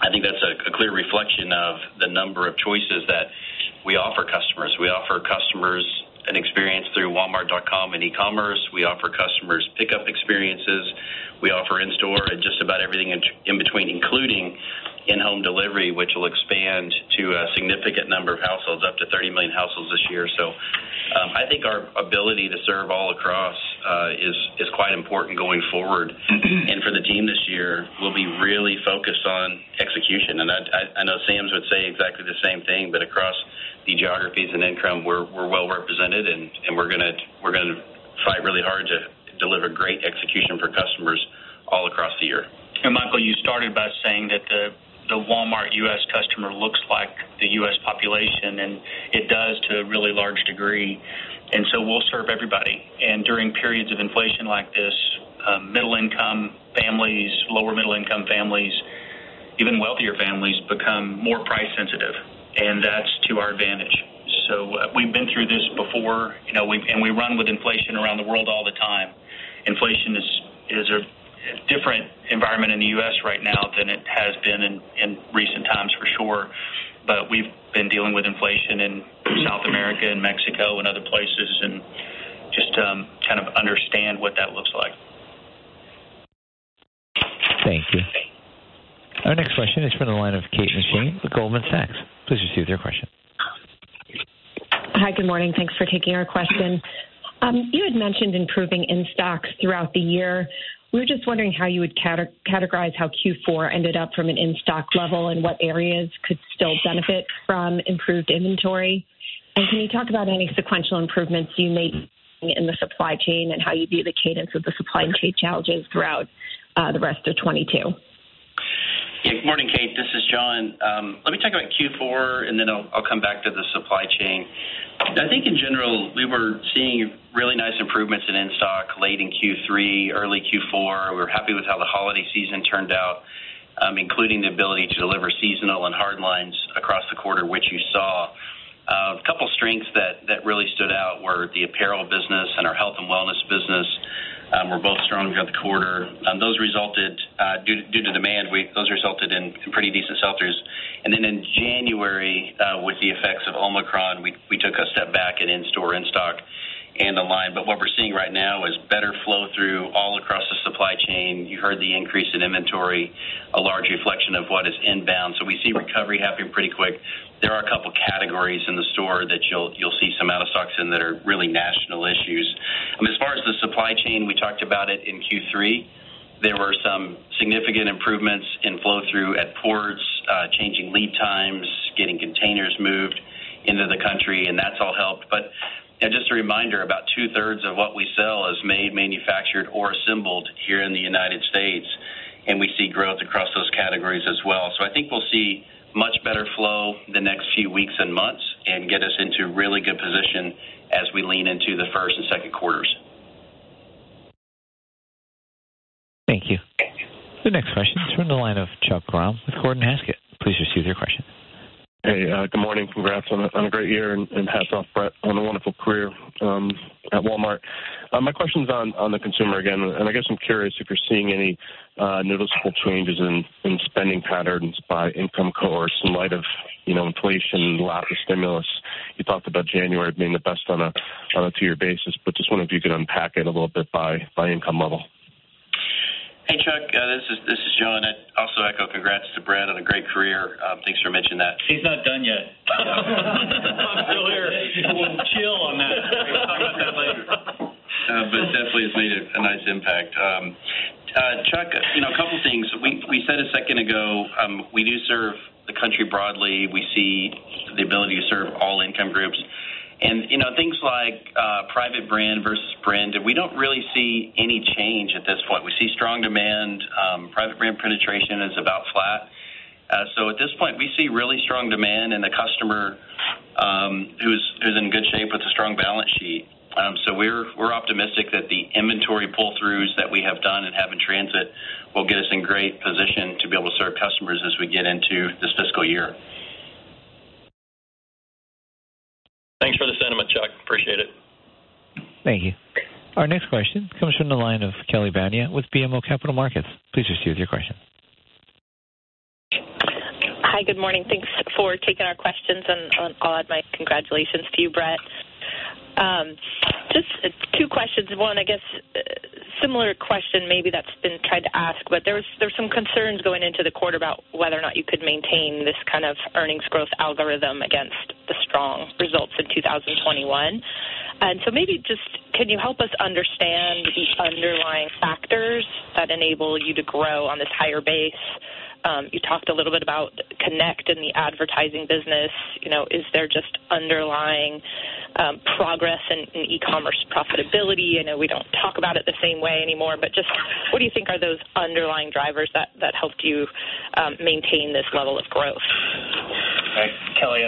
I think that's a clear reflection of the number of choices that we offer customers. We offer customers an experience through walmart.com and e-commerce. We offer customers pickup experiences. We offer in-store and just about everything in between, including in-home delivery, which will expand to a significant number of households, up to 30 million households this year. I think our ability to serve all across is quite important going forward. For the team this year, we'll be really focused on execution. I know Sam's would say exactly the same thing, but across the geographies and income, we're well represented and we're gonna fight really hard to deliver great execution for customers all across the year. Michael, you started by saying that the Walmart U.S. customer looks like the U.S. population, and it does to a really large degree. We'll serve everybody. During periods of inflation like this, middle income families, lower middle income families, even wealthier families become more price sensitive, and that's to our advantage. We've been through this before, you know. We run with inflation around the world all the time. Inflation is a different environment in the U.S. right now than it has been in recent times for sure. We've been dealing with inflation in South America and Mexico and other places and just kind of understand what that looks like. Thank you. Our next question is from the line of Kate McShane with Goldman Sachs. Please proceed with your question. Hi. Good morning. Thanks for taking our question. You had mentioned improving in-stocks throughout the year. We were just wondering how you would categorize how Q4 ended up from an in-stock level and what areas could still benefit from improved inventory. Can you talk about any sequential improvements you may have seen in the supply chain and how you view the cadence of the supply chain challenges throughout the rest of 2022? Morning, Kate. This is John. Let me talk about Q4 and then I'll come back to the supply chain. I think in general, we were seeing really nice improvements in-stock late in Q3, early Q4. We're happy with how the holiday season turned out, including the ability to deliver seasonal and hard lines across the quarter, which you saw. A couple strengths that really stood out were the apparel business and our health and wellness business, were both strong throughout the quarter. Those resulted due to demand. Those resulted in pretty decent sell-throughs. In January, with the effects of Omicron, we took a step back in-store, in-stock and online. What we're seeing right now is better flow-through all across the supply chain. You heard the increase in inventory, a large reflection of what is inbound. We see recovery happening pretty quick. There are a couple categories in the store that you'll see some out of stocks and that are really national issues. As far as the supply chain, we talked about it in Q3. There were some significant improvements in flow-through at ports, changing lead times, getting containers moved into the country, and that's all helped. Just a reminder, about two-thirds of what we sell is made, manufactured or assembled here in the United States, and we see growth across those categories as well. I think we'll see much better flow the next few weeks and months and get us into really good position as we lean into the first and second quarters. Thank you. The next question is from the line of Chuck Grom with Gordon Haskett. Please proceed with your question. Hey, good morning. Congrats on a great year and hats off, Brett, on a wonderful career at Walmart. My question is on the consumer again, and I guess I'm curious if you're seeing any noticeable changes in spending patterns by income cohorts in light of, you know, inflation and lack of stimulus. You talked about January being the best on a two-year basis, but just wonder if you could unpack it a little bit by income level. Hey, Chuck, this is John. Also echo congrats to Brett on a great career. Thanks for mentioning that. He's not done yet. I'm still here. We'll chill on that. We'll talk about it later. Definitely it's made a nice impact. Chuck, you know, a couple things. We said a second ago, we do serve the country broadly. We see the ability to serve all income groups and, you know, things like private brand versus brand. We don't really see any change at this point. We see strong demand. Private brand penetration is about flat. At this point, we see really strong demand and the customer who's in good shape with a strong balance sheet. We're optimistic that the inventory pull throughs that we have done and have in transit will get us in great position to be able to serve customers as we get into this fiscal year. Thanks for the sentiment, Chuck. Appreciate it. Thank you. Our next question comes from the line of Kelly Bania with BMO Capital Markets. Please proceed with your question. Hi, good morning. Thanks for taking our questions, and I'll add my congratulations to you, Brett. Just two questions. One, I guess similar question maybe that's been asked, but there's some concerns going into the quarter about whether or not you could maintain this kind of earnings growth algorithm against the strong results in 2021. Maybe just can you help us understand the underlying factors that enable you to grow on this higher base? You talked a little bit about Connect and the advertising business. You know, is there just underlying progress in e-commerce profitability? I know we don't talk about it the same way anymore, but just what do you think are those underlying drivers that helped you maintain this level of growth? All right. Kelly,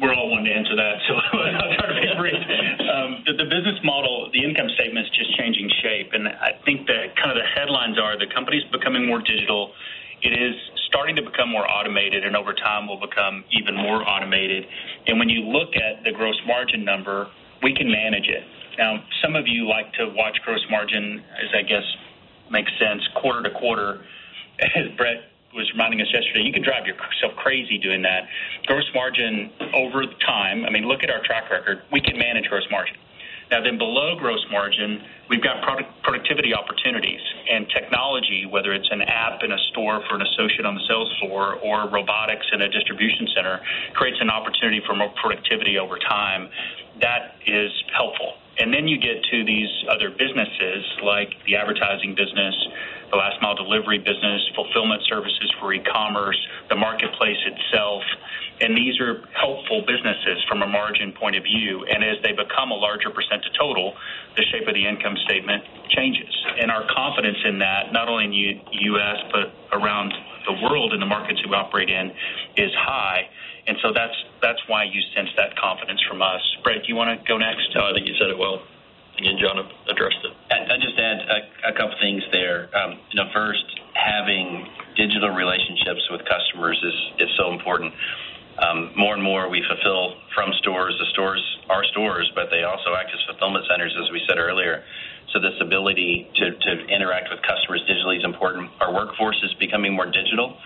we all want to answer that. The business model, the income statement is just changing shape. I think that kind of the headlines are the company's becoming more digital. It is starting to become more automated, and over time will become even more automated. When you look at the gross margin number, we can manage it. Now, some of you like to watch gross margin, as I guess makes sense quarter to quarter. As Brett was reminding us yesterday, you can drive yourself crazy doing that. Gross margin over time. I mean, look at our track record. We can manage gross margin. Now, below gross margin, we've got product productivity opportunities and technology, whether it's an app in a store for an associate on the sales floor or robotics in a distribution center, creates an opportunity for more productivity over time. That is helpful. You get to these other businesses, like the advertising business, the last mile delivery business, fulfillment services for e-commerce, the marketplace itself. These are helpful businesses from a margin point of view. As they become a larger percent of total, the shape of the income statement changes. Our confidence in that not only in U.S., but around the world in the markets we operate in, is high. That's why you sense that confidence from us. Brett, do you want to go next? No, I think you said it well. You and John addressed it. I just add a couple things there. First, having digital relationships with customers is so important. More and more, we fulfill from stores. The stores are stores, but they also act as fulfillment centers, as we said earlier. This ability to interact with customers digitally is important. Our workforce is becoming more digital.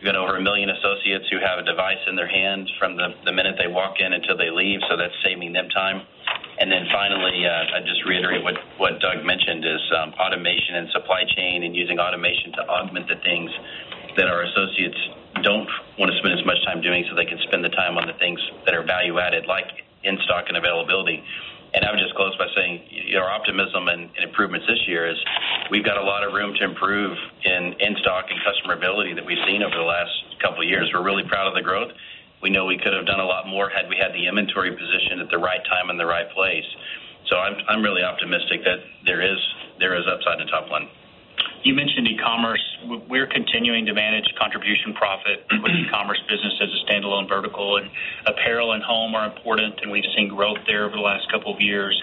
We've got over a million associates who have a device in their hand from the minute they walk in until they leave, so that's saving them time. Finally, I'd just reiterate what Doug mentioned is automation and supply chain and using automation to augment the things that our associates don't want to spend as much time doing, so they can spend the time on the things that are value added, like in-stock and availability. I would just close by saying our optimism and improvements this year is we've got a lot of room to improve in in-stock and customer availability that we've seen over the last couple of years. We're really proud of the growth. We know we could have done a lot more had we had the inventory position at the right time and the right place. I'm really optimistic that there is upside in top line. You mentioned e-commerce. We're continuing to manage contribution profit with the commerce business as a standalone vertical, and apparel and home are important, and we've seen growth there over the last couple of years.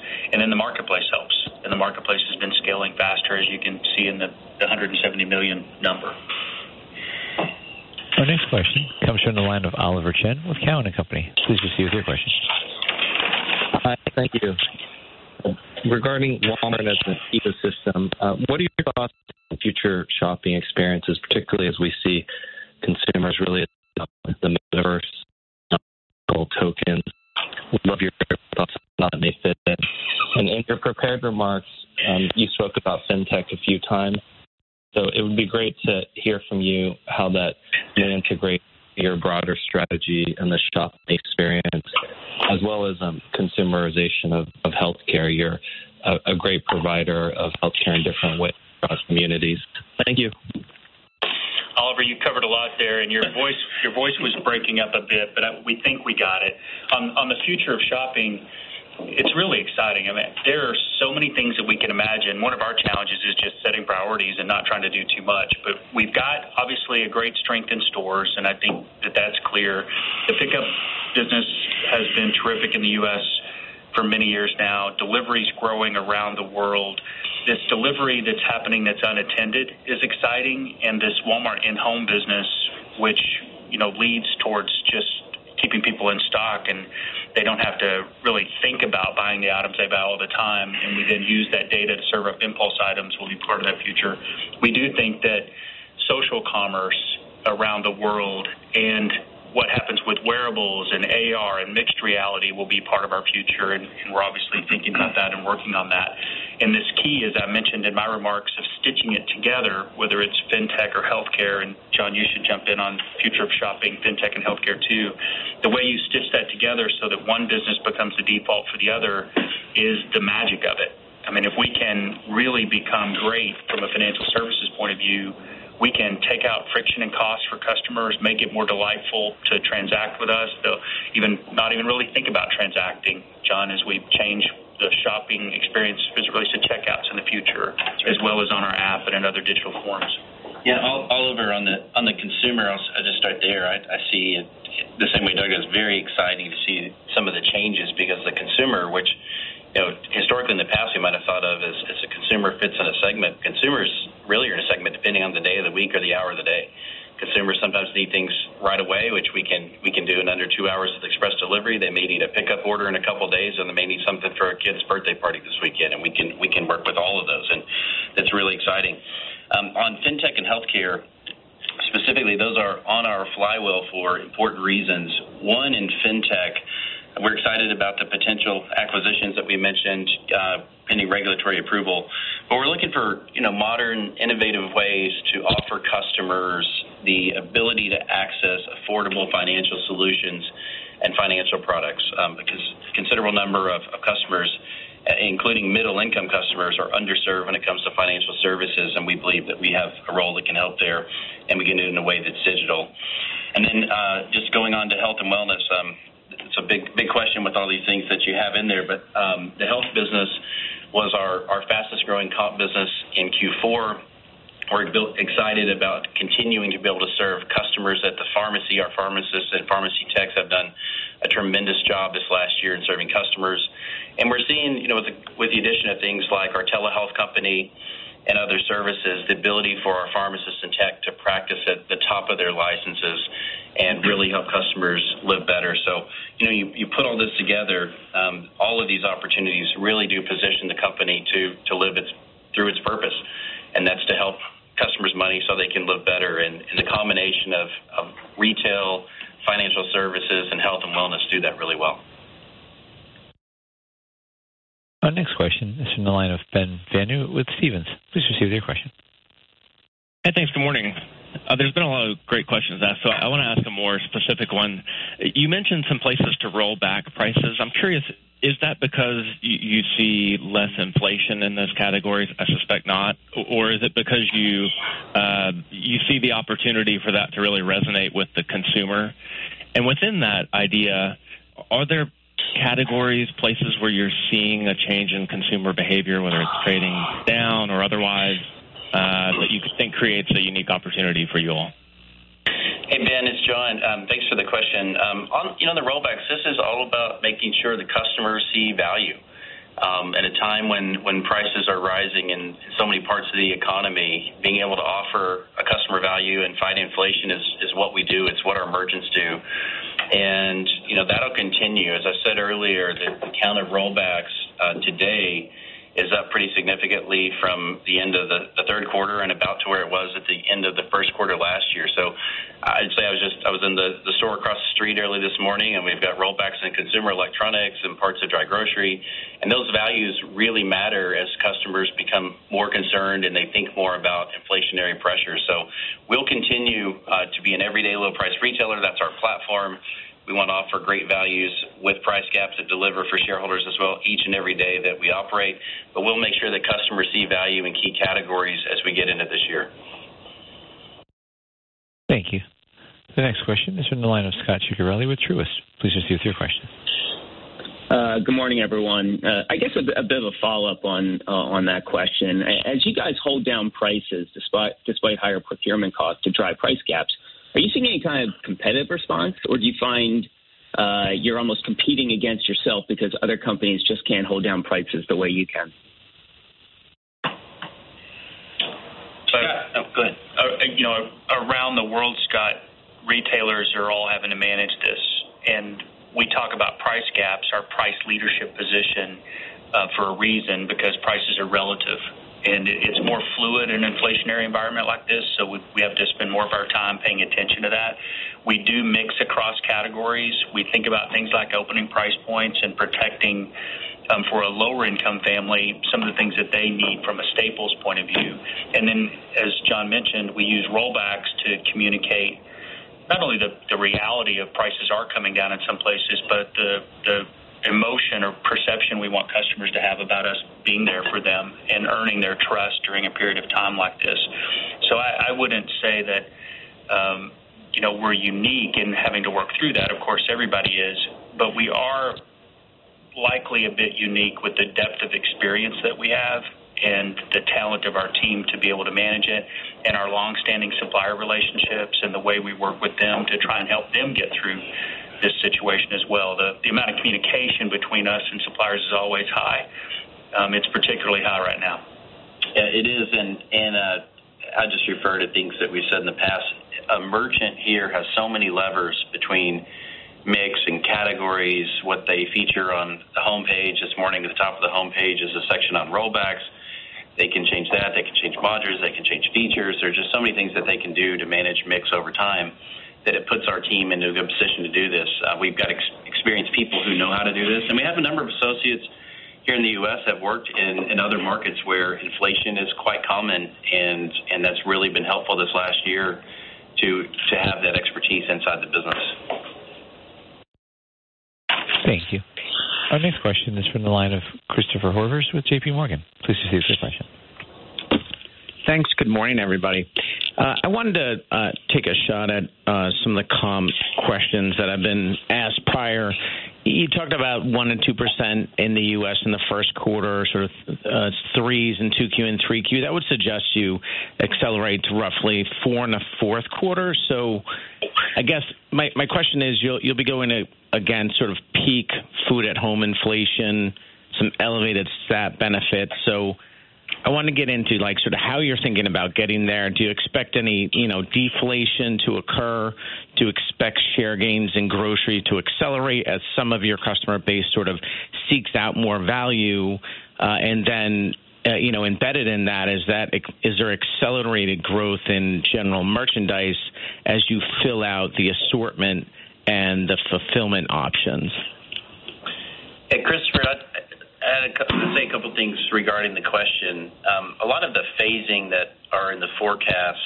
The marketplace helps. The marketplace has been scaling gangbusters], you can see in the $170 million number. Our next question comes from the line of Oliver Chen with Cowen and Company. Please proceed with your question. Hi. Thank you. Regarding Walmart as an ecosystem, what are your thoughts on future shopping experiences, particularly as we see consumers really into the metaverse. What are your thoughts on that and how they fit in. In your prepared remarks, you spoke about fintech a few times, so it would be great to hear from you how that integrates your broader strategy and the shopping experience as well as consumerization of healthcare. You're a great provider of healthcare in different ways across communities. Thank you. Oliver, you covered a lot there. Your voice was breaking up a bit, but I—we think we got it. On the future of shopping, it's really exciting. I mean, there are so many things that we can imagine. One of our challenges is just setting priorities and not trying to do too much. We've got obviously a great strength in stores, and I think that that's clear. The pickup business has been terrific in the U.S. for many years now. Delivery is growing around the world. This delivery that's happening that's unattended is exciting. This Walmart InHome business, which, you know, leads towards just keeping people in stock, and they don't have to really think about buying the items they buy all the time, and we then use that data to serve up impulse items, will be part of that future. We do think that social commerce around the world and what happens with wearables and AR and mixed reality will be part of our future, and we're obviously thinking about that and working on that. This key, as I mentioned in my remarks, of stitching it together, whether it's fintech or healthcare. John, you should jump in on future of shopping, fintech and healthcare too. The way you stitch that together so that one business becomes the default for the other is the magic of it. I mean, we can really become great from a financial services point of view, we can take out friction and costs for customers, make it more delightful to transact with us. They'll not even really think about transacting, John, as we change the shopping experience physically. Checkouts in the future as well as on our app and in other digital forms. Yeah. Oliver, on the consumer, I'll just start there. I see the same way Doug is. Very exciting to see some of the changes because the consumer, which, you know, historically in the past we might have thought of as a consumer fits in a segment. Consumers really are in a segment depending on the day of the week or the hour of the day. Consumers sometimes need things right away, which we can do in under two hours with express delivery. They may need a pickup order in a couple of days, and they may need something for a kid's birthday party this weekend, and we can work with all of those, and that's really exciting. On fintech and healthcare specifically, those are on our flywheel for important reasons. One, in fintech, we're excited about the potential acquisitions that we mentioned, pending regulatory approval, but we're looking for, you know, modern, innovative ways to offer customers the ability to access affordable financial solutions and financial products. Because considerable number of customers, including middle income customers, are underserved when it comes to financial services, and we believe that we have a role that can help there, and we can do it in a way that's digital. Just going on to health and wellness, it's a big question with all these things that you have in there, but the health business was our fastest growing comps business in Q4. We're excited about continuing to be able to serve customers at the pharmacy. Our pharmacists and pharmacy techs have done a tremendous job this last year in serving customers. We're seeing, you know, with the addition of things like our telehealth company and other services, the ability for our pharmacists and tech to practice at the top of their licenses and really help customers live better. You know, you put all this together, all of these opportunities really do position the company to live its purpose, and that's to help customers save money so they can live better. The combination of retail, financial services, and health and wellness do that really well. Our next question is from the line of Ben Bienvenu with Stephens. Please proceed with your question. Hey, thanks. Good morning. There's been a lot of great questions asked, so I wanna ask a more specific one. You mentioned some places to roll back prices. I'm curious, is that because you see less inflation in those categories? I suspect not. Or is it because you see the opportunity for that to really resonate with the consumer? Within that idea, are there categories, places where you're seeing a change in consumer behavior, whether it's trading down or otherwise, that you think creates a unique opportunity for you all? Hey, Ben, it's John. Thanks for the question. On, you know, the rollbacks, this is all about making sure the customers see value at a time when prices are rising in so many parts of the economy. Being able to offer a customer value and fight inflation is what we do. It's what our merchants do. You know, that'll continue. As I said earlier, the count of rollbacks today is up pretty significantly from the end of the third quarter and about back to where it was at the end of the first quarter last year. So I'd say I was in the store across the street early this morning, and we've got rollbacks in consumer electronics and parts of dry grocery. Those values really matter as customers become more concerned and they think more about inflationary pressures. We'll continue to be an everyday low price retailer. That's our platform. We want to offer great values with price gaps that deliver for shareholders as well each and every day that we operate. We'll make sure that customers see value in key categories as we get into this year. Thank you. The next question is from the line of Scot Ciccarelli with Truist. Please proceed with your question. Good morning, everyone. I guess a bit of a follow-up on that question. As you guys hold down prices despite higher procurement costs to drive price gaps, are you seeing any kind of competitive response, or do you find you're almost competing against yourself because other companies just can't hold down prices the way you can. So- Go ahead. You know, around the world, Scott, retailers are all having to manage this. We talk about price gaps, our price leadership position, for a reason, because prices are relative and it's more fluid in an inflationary environment like this. We have to spend more of our time paying attention to that. We do mix across categories. We think about things like opening price points and protecting, for a lower income family, some of the things that they need from a staples point of view. Then, as John mentioned, we use rollbacks to communicate not only the reality of prices are coming down in some places, but the emotion or perception we want customers to have about us being there for them and earning their trust during a period of time like this. I wouldn't say that, you know, we're unique in having to work through that. Of course, everybody is. We are likely a bit unique with the depth of experience that we have and the talent of our team to be able to manage it and our long-standing supplier relationships and the way we work with them to try and help them get through this situation as well. The amount of communication between us and suppliers is always high. It's particularly high right now. Yeah, it is. I'll just refer to things that we've said in the past. A merchant here has so many levers between mix and categories, what they feature on the home page this morning. At the top of the home page is a section on rollbacks. They can change that. They can change modules. They can change features. There's just so many things that they can do to manage mix over time that it puts our team into a good position to do this. We've got experienced people who know how to do this, and we have a number of associates here in the U.S. that worked in other markets where inflation is quite common. That's really been helpful this last year to have that expertise inside the business. Thank you. Our next question is from the line of Christopher Horvers with JPMorgan. Please proceed with your question. Thanks. Good morning, everybody. I wanted to take a shot at some of the comp questions that have been asked prior. You talked about 1%-2% in the U.S. in the first quarter, sort of, 3% in 2Q and 3Q. That would suggest you accelerate to roughly 4% in the fourth quarter. I guess my question is you'll be going to, again, sort of peak food at home inflation, some elevated SNAP benefits. I want to get into like sort of how you're thinking about getting there. Do you expect any, you know, deflation to occur? Do you expect share gains in grocery to accelerate as some of your customer base sort of seeks out more value? You know, embedded in that, is there accelerated growth in general merchandise as you fill out the assortment and the fulfillment options? Hey, Christopher, I'd say a couple things regarding the question. A lot of the phasing that are in the forecasts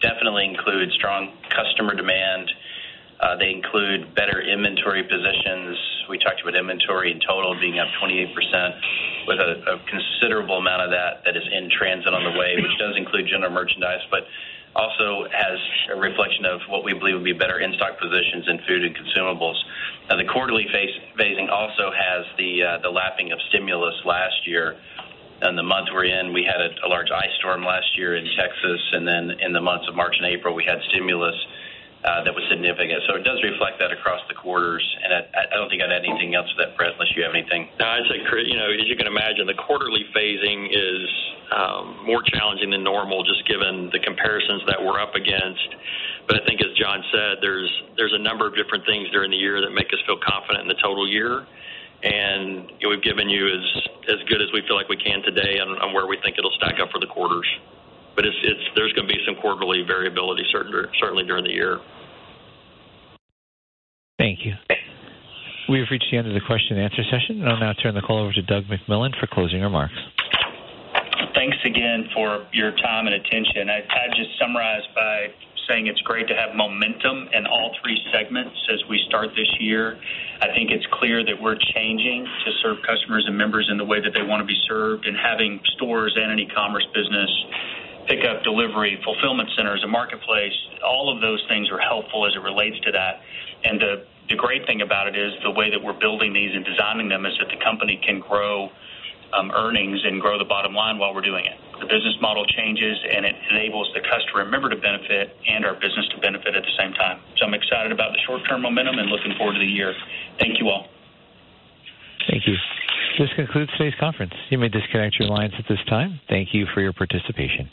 definitely include strong customer demand. They include better inventory positions. We talked about inventory in total being up 28% with a considerable amount of that that is in transit on the way, which does include general merchandise, but also as a reflection of what we believe would be better in-stock positions in food and consumables. The quarterly phasing also has the lapping of stimulus last year. The month we're in, we had a large ice storm last year in Texas, and then in the months of March and April, we had stimulus that was significant. It does reflect that across the quarters. I don't think I'd add anything else to that, Brett, unless you have anything. No, I'd say, Chris, you know, as you can imagine, the quarterly phasing is more challenging than normal, just given the comparisons that we're up against. I think as John said, there's a number of different things during the year that make us feel confident in the total year. We've given you as good as we feel like we can today on where we think it'll stack up for the quarters. It's, there's gonna be some quarterly variability certainly during the year. Thank you. We have reached the end of the question and answer session. I'll now turn the call over to Doug McMillon for closing remarks. Thanks again for your time and attention. I'd just summarize by saying it's great to have momentum in all three segments as we start this year. I think it's clear that we're changing to serve customers and members in the way that they want to be served and having stores and an e-commerce business, pickup, delivery, fulfillment centers and marketplace, all of those things are helpful as it relates to that. The great thing about it is the way that we're building these and designing them is that the company can grow earnings and grow the bottom line while we're doing it. The business model changes and it enables the customer and member to benefit and our business to benefit at the same time. I'm excited about the short-term momentum and looking forward to the year. Thank you all. Thank you. This concludes today's conference. You may disconnect your lines at this time. Thank you for your participation.